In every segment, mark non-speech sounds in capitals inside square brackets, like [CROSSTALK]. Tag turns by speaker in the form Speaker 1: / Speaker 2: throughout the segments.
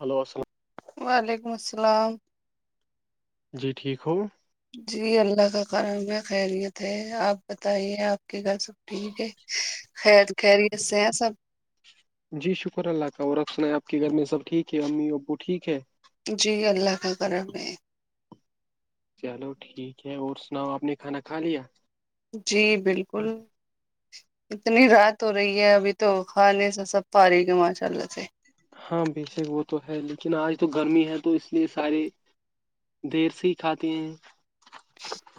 Speaker 1: hello السلام
Speaker 2: وعلیکم السلام
Speaker 1: جی ٹھیک ہو
Speaker 2: جی اللہ کا کارم میں خیریت ہے آپ بتائیے آپ کی گھر سب ٹھیک ہے خیر خری ای سے سب
Speaker 1: جی شکر اللہ کا اور رکھ سنایں آپ کے گھر میں سب ٹھیک ہے امی ابو ٹھیک ہے
Speaker 2: جی اللہ کا قم میں
Speaker 1: چلو ٹھیک ہے اور سناؤ آپ نے کھانا کھا لیا
Speaker 2: جی بالکل اتنی رات ہو رہی ہے ابھی تو خان نہیں سا سب پ رہی ہے ماشاء اللہ سے
Speaker 1: ہاں بے شک وہ تو ہے لیکن آج تو گرمی ہے تو اس لیے سارے دیر سے ہی کھاتے ہیں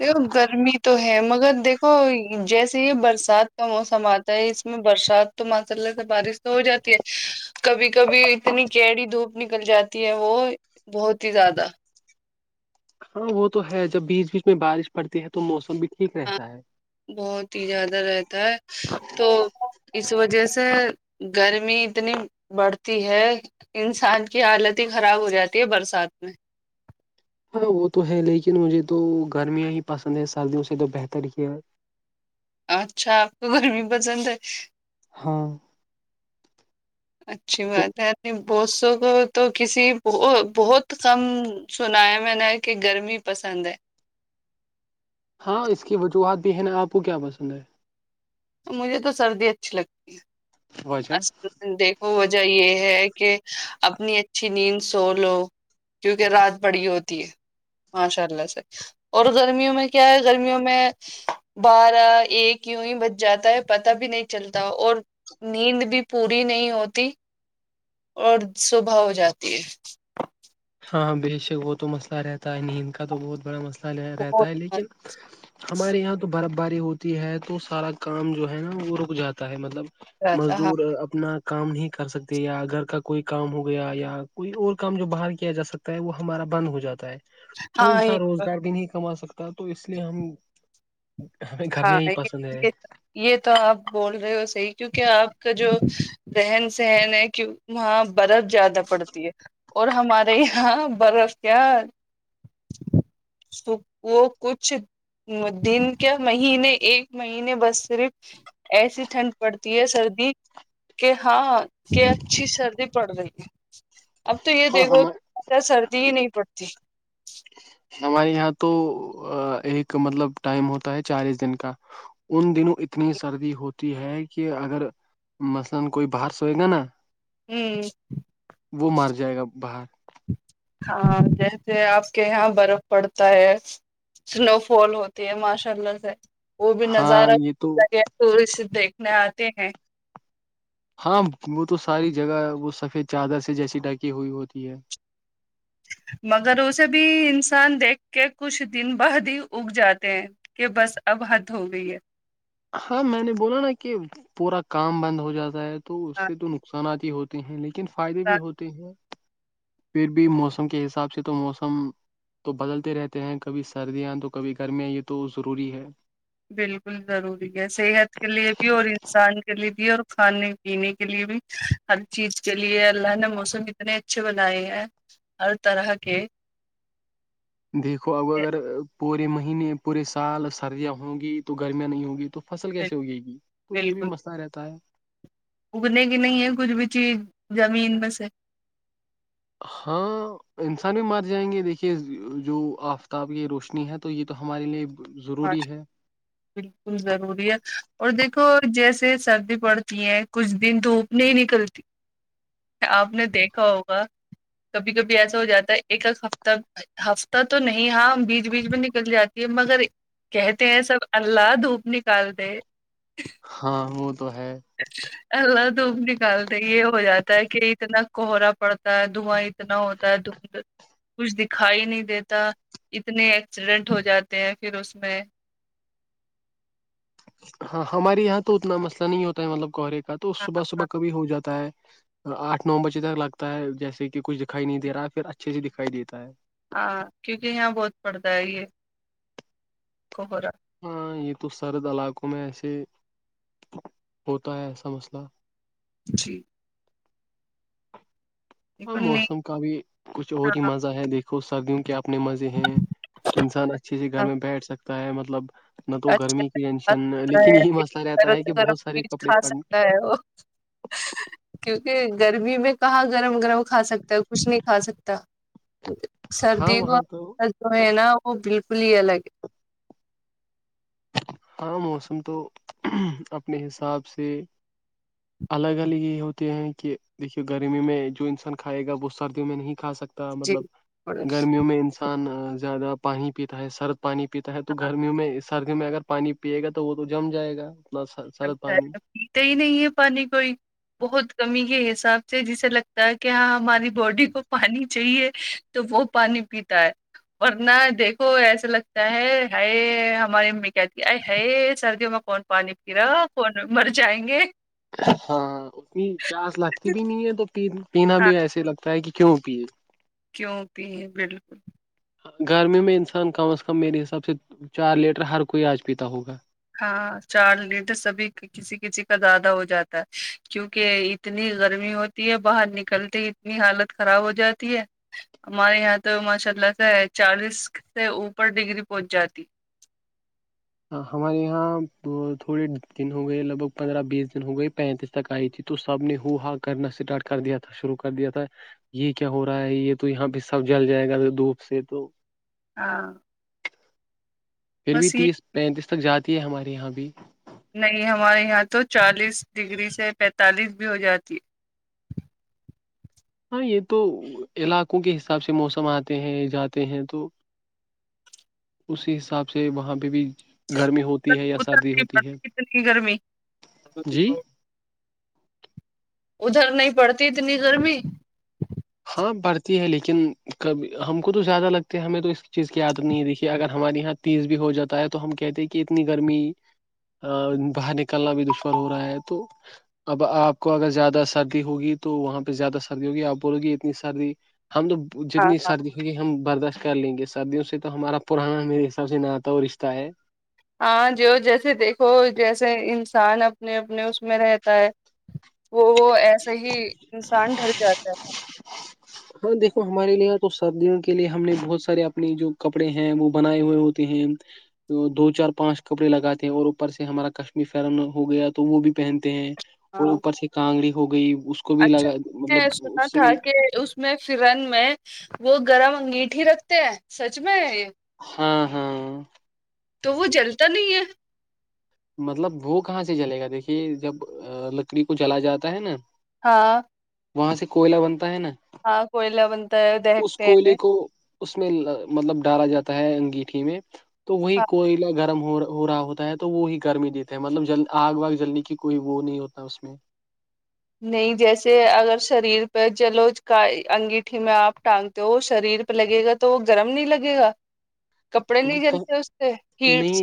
Speaker 2: دو گرمی تو ہے مگر دیکھو جیسے ہی برسات کا موسم آتا ہے اس میں برسات تو مسللہ سے بارش تو ہو جاتی ہے کبھی کبھی اتنی کیڑی دھوپ نکل جاتی ہے وہ بہت ہی زیادہ
Speaker 1: ہاں وہ تو ہے جب بیچ بیچ میں بارش پڑتی ہے تو موسم بھی ٹھیک
Speaker 2: ہاں
Speaker 1: رہتا ہے
Speaker 2: بہت ہی زیادہ رہتا ہے تو اس وجہ سے گرمی اتنی بڑھتی ہے انسان کی حالت ہی خراب ہو جاتی ہے برسات میں
Speaker 1: ہاں وہ تو ہے لیکن مجھے تو گرمیاں ہی پسند ہے سردیوں سے تو بہتر کیا ہے
Speaker 2: اچھا آپ کو گرمی پسند ہے
Speaker 1: ہاں
Speaker 2: اچھی بات ہے اپنی بسوں کو تو کسی ب بہت کم سنا ہے میں نے کہ گرمی پسند ہے
Speaker 1: ہاں اس کی وجوہات بھی ہے نا آپ کو کیا پسند ہے
Speaker 2: مجھے تو سردی اچھی لگتی ہے
Speaker 1: وجہ
Speaker 2: دیکھو وجہ یہ ہے کہ اپنی اچھی نیند سو لو کیونکہ رات بڑی ہوتی ہے ماشاء اللہ سے اور گرمیوں میں کیا ہے گرمیوں میں بارہ ایک یوں ہی بچ جاتا ہے پتا بھی نہیں چلتا اور نیند بھی پوری نہیں ہوتی اور صبح ہو جاتی ہے
Speaker 1: ہاں بے شک وہ تو مسئلہ رہتا ہے نیند کا تو بہت بڑا مسئلہ
Speaker 2: بہت
Speaker 1: رہتا ہے لیکن ہمارے یہاں تو برف باری ہوتی ہے تو سارا کام جو ہے نا وہ رک جاتا ہے مطلب
Speaker 2: مزہ آتا ہاں
Speaker 1: مزدور اپنا کام نہیں کر سکتے یا گھر کا کوئی کام ہو گیا یا کوئی اور کام جو باہر کی جا سکتا ہے وہ ہمارا بند ہو جاتا ہے تو
Speaker 2: ہاں
Speaker 1: انسان
Speaker 2: یہ-
Speaker 1: روز ار بھی نہیں کما سکتا تو اس لیے ہم ہمیں گھر
Speaker 2: ہاں
Speaker 1: میں ہی
Speaker 2: یہ
Speaker 1: پسند ہے
Speaker 2: یہ یہ تو آپ بول رہے ہو صحیح کیونکہ آپ کا جو رہن سہن ہے کی وہاں برف زیادہ پڑتی ہے اور ہمارے یہاں برف کیا تو وہ کچھ دن کیا مہینے ایک مہینے بس صرف ایسی ٹھنڈ پڑتی ہے سردی کہ ہاں کہ اچھی سردی پڑ رہی ہے اب تو یہ
Speaker 1: ہاں
Speaker 2: دیکھو
Speaker 1: ہم
Speaker 2: سردی ہی نہیں پڑتی
Speaker 1: ہمارے یہاں تو ایک مطلب ٹائم ہوتا ہے چالیس دن کا ان دنوں اتنی سردی ہوتی ہے کہ اگر مثلا کوئی باہر سوئے گا نا
Speaker 2: ہوں
Speaker 1: وہ مر جائے گا باہر
Speaker 2: ہاں جیس آپ کے یہاں برف پڑتا ہے اسنو فال ہوتی ہے ماشاء اللہ سے وہ بھی
Speaker 1: ہاں
Speaker 2: نظارہ
Speaker 1: یہ تو
Speaker 2: لگے تو دیکھنے آتے ہیں
Speaker 1: ہاں وہ تو ساری جگہ وہ سفید چادر سے جیسی ڈھکی ہوئی ہوتی ہے
Speaker 2: مگر اسے بھی انسان دیکھ کے کچھ دن بعد ہی اگ جاتے ہیں کہ بس اب حد ہو گئی ہے
Speaker 1: ہاں میں نے بولا نا کہ پورا کام بند ہو جاتا ہے تو اس
Speaker 2: ہاں
Speaker 1: سے تو نقصانات ہی ہوتے ہیں لیکن فائدے بھی ہوتے ہیں پھر بھی موسم کے حساب سے تو موسم تو بدلتے رہتے ہیں کبھی سردیاں تو کبھی گرمیاں یہ تو ضروری ہے
Speaker 2: بالکل ضروری ہے صحت کے لیے بھی اور انسان کے لیے بھی اور کھانے پینے کے لیے بھی ہر چیز کے لیے اللہ نے موسم اتنے اچھے بنائے ہیں ہر طرح کے
Speaker 1: دیکھو اب اگر
Speaker 2: کے
Speaker 1: پورے مہینے پورے سال سردیاں ہوں گی تو گرمیاں نہیں ہوں گی تو فصل کیسے ہوگی گی تو یہ بھی
Speaker 2: بالکل
Speaker 1: مسئلہ رہتا ہے
Speaker 2: اگنے کی نہیں ہے کچھ بھی چیز زمین میں سے
Speaker 1: ہاں انسان بھی مار جائیں گے دیکھیے جو آفتاب کی روشنی ہے تو یہ تو ہمارے لیے ضروری ہے
Speaker 2: جی بالکل ضروری ہے اور دیکھو جیسے سردی پڑتی ہے کچھ دن دھوپ نہیں نکلتی آپ نے دیکھا ہوگا کبھی کبھی ایسا ہو جاتا ہے ایک ایک ہفتہ ہفتہ تو نہیں ہاں بیچ بیچ میں نکل جاتی ہے مگر کہتے ہیں سب اللہ دھوپ نکال دے
Speaker 1: ہاں وہ تو ہے
Speaker 2: [UNINTELLIGIBLE] پلہ دھوپ نکالتے یہ ہو جاتا ہے کہ اتنا کوہرا پڑتا ہے دھواں اتنا ہوتا ہے د [UNINTELLIGIBLE] کچھ دکھائی نہیں دیتا اتنے ایکسیڈینٹ ہو جاتے ہیں پھر اس میں
Speaker 1: ہاں ہمارے یہاں تو اتنا مسئلہ نہیں ہوتا ہے مطلب کوہرے کا تو
Speaker 2: ہاں
Speaker 1: صبح
Speaker 2: ہاں
Speaker 1: صبح کبھی ہو جا ہے آٹھ نو بجے تک لگتا ہے جیسے کہ کچھ دکھائی نہیں دے رہا ہے پھر اچھے سے دکھائی دیتا ہے
Speaker 2: ہاں کیونکہ یہاں بہت پڑتا ہے یہ ک ہوورا
Speaker 1: ہاں یہ تو سرد علاقوں میں ایسے ہوتا ہے ایسا مسئلہ
Speaker 2: جی
Speaker 1: ہاں
Speaker 2: لیکن نہیں
Speaker 1: موسم کا بھی کچھ اور
Speaker 2: ہاں
Speaker 1: ہی مزہ ہے دیکھو سردیوں کے آپ اپنے مزے ہیں انسان اچھے سے گھر میں بیٹھ سکتا ہے مطلب نہ تو گرمی کی ٹینشن لیکن یہی مسئلہ رہتا ہے
Speaker 2: گرم
Speaker 1: کہ بہت سارے کپڑے پڑ
Speaker 2: تو [UNINTELLIGIBLE] کیونکہ گرمی میں کہاں گرم گرم کھا سکتا ہے کچھ نہیں کھا سکتا
Speaker 1: ہاں
Speaker 2: سردی
Speaker 1: وہاں تو
Speaker 2: کا جو ہے نا وہ بالکل ہی الگ ہے
Speaker 1: ہاں موسم تو اپنے حساب سے
Speaker 2: [UNINTELLIGIBLE]
Speaker 1: الگ الگ یہ ہوتے ہیں کہ دیکے گرمی میں جو انسان کھائے گا وہ سردیوں میں نہیں کھا سکتے
Speaker 2: جی
Speaker 1: مطلب گرمیوں میں انسان زیادہ پانی پیتا ہے سرد پانی پیتا ہے تو
Speaker 2: ہاں
Speaker 1: گرمیوں میں سردیوں میں اگر پانی پیے گا تو وہ تو جم جائے گا سر- سرد
Speaker 2: اچھا
Speaker 1: پانی
Speaker 2: اا پیتے ہی نہیں ہے پانی کوئی بہت کمی کے حساب سے جسے لگتا ہے کہ ہاں ہماری باڈی کو پانی چاہیے تو وہ پانی پیتا ہے ورنہ دیکھو ایسا لگتا ہے ہے ہماری امی کہتی آ ہے سردیوں میں فون پانی پ رہا فون مر جائیں گے
Speaker 1: ہاں اتنی پیاس لگتی بھی نہیں ہے تو پینا
Speaker 2: ہاں
Speaker 1: بھی ایسے لگتا ہے کہ کیوں پیے
Speaker 2: کیوں پہ ہے بالکل
Speaker 1: گرمی میں انسان کم از کم میرے حساب سے چار لیٹر ہر کوئی آج پیتا ہوگا
Speaker 2: ہاں چار لیٹ سبھی کسی کسی کا زیادہ ہو جاتا ہے کیونکہ اتنی گرمی ہوتی ہے باہر نکلتے اتنی حالت خراب ہو جاتی ہے ہمارے یہاں تو ماشاء اللہ سے چالیس سے اوپر ڈگری پہنچ جاتی
Speaker 1: ہمارے یہاں تھوڑے دن ہو گئے لگ بھگ پندرہ بیس دن ہو گئے پینتیس تک آئی تھی تو سب نے ہو ہا کرنا اسٹارٹ کر دیا تھا شروع کر دیا تھا یہ کیا ہو رہا ہے یہ تو یہاں پہ سب جل جائے گا دھوپ سے تو
Speaker 2: ہاں
Speaker 1: پھر بھی
Speaker 2: بس یہ
Speaker 1: تیس پینتیس تک جاتی ہے ہمارے یہاں بھی
Speaker 2: نہیں ہمارے یہاں تو چالیس ڈگری سے پینتالیس بھی ہو جاتی ہے
Speaker 1: ہاں یہ تو علاقوں کے حساب سے موسم آتے ہیں جاتے ہیں تو اسی حساب سے وہاں پہ بھی گرمی ہوتی تی ہے یا
Speaker 2: اتر
Speaker 1: سردی
Speaker 2: نہیں
Speaker 1: ہوتی ہے
Speaker 2: پڑتی اتنی گرمی
Speaker 1: جی
Speaker 2: ادھر نہیں پڑتی اتنی گرمی
Speaker 1: ہاں پڑھتی ہے لیکن کبھی ہم کو تو زیادہ لگتے ہے ہمیں تو اس چیز کی یادت نہیں ہے دیکھیے اگر ہمارے یہاں تیز بھی ہو جاتا ہے تو ہم کہتے ہیں کہ اتنی گرمی باہر نکلنا بھی دشکر ہو رہا ہے تو اب آپ کو اگر زیادہ سردی ہوگی تو وہاں پہ زیادہ سردی ہوگی آپ بولو گی اتنی سردی ہم تو
Speaker 2: ہاں
Speaker 1: جتنی
Speaker 2: ہاں
Speaker 1: سردی کیہ ہم برداشت کر لیں گے سردیوں سے تو ہمارا پرانا میرے حساب سے نہ آتا ہو رشتہ ہے
Speaker 2: ہاں جو جیسے دیکھو جیسے انسان اپنے اپنے اس میں رہتا ہے وہ وہ ایسا ہی انسان ڈر جاتا ہے
Speaker 1: ہاں دیکھو ہمارے لیےاں تو سردیوں کے لیے ہم نے بہت سارے اپنے جو کپڑے ہیں وہ بنائے ہوئے ہوتے ہیں دو چار پانچ کپڑے لگاتے ہیں اور اوپر سے ہمارا کشمیر فرن ہو گیا تو وہ بھی پہنتے ہیں اور
Speaker 2: ہاں
Speaker 1: اوپر سے کانگڑی ہو گئی اس کو بھی
Speaker 2: اچھا
Speaker 1: لگا
Speaker 2: میں
Speaker 1: مطلب
Speaker 2: نے سنا
Speaker 1: اس سے
Speaker 2: تھا
Speaker 1: بھی
Speaker 2: کہ اس میں فرن میں وہ گرم انگیٹ ہی رکھتے ہیں سچ میں یہ
Speaker 1: ہاں ہاں
Speaker 2: تو وہ جلتا نہیں ہے
Speaker 1: مطلب وہ کہاں سے چلے گا دیکھیے جب لکڑی کو چلا جاتا ہے نا
Speaker 2: ہاں
Speaker 1: وہاں سے کوئلہ بنتا ہے نا
Speaker 2: ہاں کوئلہ بنتا
Speaker 1: اس
Speaker 2: دیہکتے
Speaker 1: کوئلے کو اس میں مطلب ڈالا جاتا ہے انگیٹھی میں تو وہی
Speaker 2: ہاں
Speaker 1: کوئلہ گرم ہو ہو رہا ہوتا ہے تو وہی گرمی دیتا ہیں مطلب ج آگ واگ جلنے کی کوئی وہ نہیں ہوتا اس میں
Speaker 2: نہیں جیسے اگر شریر پہ جلو کا انگیٹھی میں آپ ٹانگ تو وہ شریر پہ لگے گا تو وہ گرم نہیں لگے گا کپڑے نہیں جلتے اس سے ہیٹس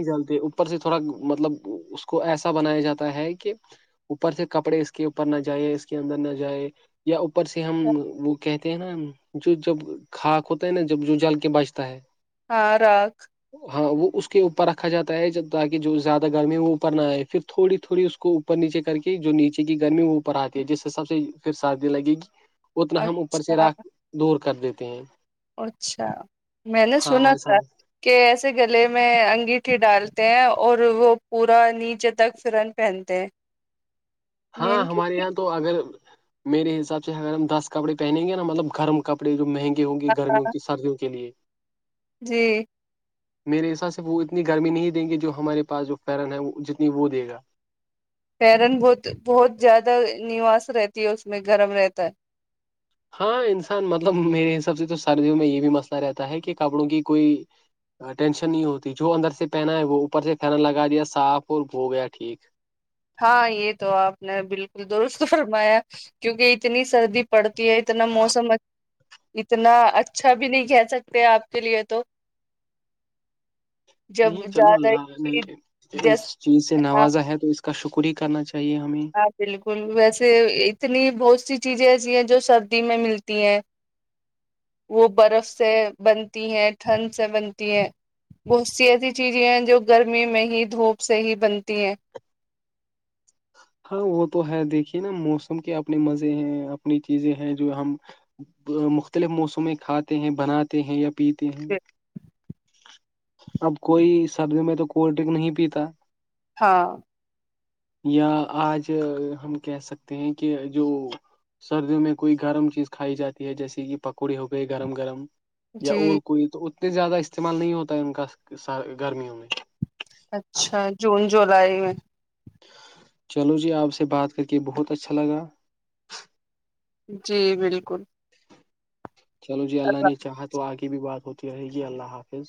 Speaker 1: ر سے تھوڑا مطلب اس کو ایسا بنایا جاتا ہے کہ اوپر سے کپڑے اس کے اوپر نہ جائ اس کے اندر نہ جائے یا اوپر سے ہم وہ کہتے ہیں نا جو جب خاک ہوتا ہے نا جب جو جل کے بجتا ہے
Speaker 2: ہاں
Speaker 1: ہاں وہ اس کے اوپر رکھا جاتا ہے جب تاکہ جو زیادہ گرمی ہے وہ اوپر نہ آئے پھر تھوڑی تھوڑی اس کو اوپر نیچے کر کے جو نیچے کی گرمی ہے وہ اوپر آتی ہے جس سے سب سے پھر شردی لگے گی اتنا ہم اوپر سے
Speaker 2: اچھا
Speaker 1: راک دور کر دیتے ہیں
Speaker 2: اچھا میں نے
Speaker 1: ہاں
Speaker 2: سنا
Speaker 1: ایسا
Speaker 2: تھا کہ ایسے گلے میں انگیٹھی ڈال ہیں اور وہ پورا نیچے تک فرن پہنتے ہیں
Speaker 1: ہاں
Speaker 2: مین کی
Speaker 1: ہمارے یہاں تو اگر میرے حساب سے اگر ہم دس کپڑے پہنیں گے نا مطلب گرم کپڑے جو مہنگے ہوں گے گرمیوں کی سردوں کے لیے
Speaker 2: جی
Speaker 1: میرے حساب سے وہ اتنی گرمی نہیں دیں گی جو ہمارے پاس جو فرن ہے جتنی وہ دے گا
Speaker 2: ہیرن بہت بہت زیادہ نواس رہتی ہے اس میں گرم رہتا ہے
Speaker 1: ہاں انسان مطلب میرے حساب سے تو سردیوں میں یہ بھی مسئلہ رہتا ہے کہ کپڑوں کی کوئی ٹینشن نہیں ہوتی جو اندر سے پہنا ہے وہ اوپر سے پینا لگا دیا صاف اور بو گیا ٹھیک
Speaker 2: ہاں یہ تو آپ نے بالکل درست فرمایا کیونکہ اتنی سردی پڑتی ہے اتنا موسم اتنا اچھا بھی نہیں کہہ سکتے آپ کے لیے تو جب
Speaker 1: نہیں چلو
Speaker 2: زیادہ
Speaker 1: اللہ
Speaker 2: ہی
Speaker 1: نہیں اس
Speaker 2: جس
Speaker 1: چیز سے
Speaker 2: ہاں
Speaker 1: نوازا ہے تو اس کا شکر ہی کرنا چاہیے ہمیں
Speaker 2: ہاں بالکل ویسے اتنی بہت سی چیزیں ایسی ہیں جو سردی میں ملتی ہیں وہ برف سے بنتی ہیں ٹھنڈ سے بنتی ہے بہت سی ایسی چیزیں ہیں جو گرمی میں ہی دھوپ سے ہی بنتی ہیں
Speaker 1: ہاں وہ تو ہے دیکھیے نا موسم کے اپنے مزے ہیں اپنی چیزیں ہیں جو ہم مختلف موسمیں کھاتے ہیں بناتے ہیں یا پیتے ہیں اب کوئی سبزی میں تو کولڈ ڈرنک نہیں پیتا
Speaker 2: ہاں
Speaker 1: یا آج ہم کہہ سکتے ہیں کہ جو سردیوں میں کوئی گرم چیز کھائی جاتی ہے جیسے کہ پکوڑی ہو گئے گرم گرم یا
Speaker 2: جی
Speaker 1: اور کوئی تو اتنے زیادہ استعمال نہیں ہوتا ہے ان کا گرمیوں میں
Speaker 2: اچھا جون جولائی میں
Speaker 1: چلو جی آپ سے بات کر کے بہت اچھا لگا
Speaker 2: جی بالکل
Speaker 1: چلو جی اللہ نے چاہا تو آگے بھی بات ہوتی رہے گی اللہ حافظ